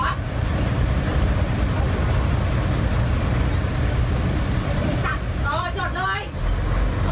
ว่าเปิดแค่ห้นวิ่งหาไหมค่ะ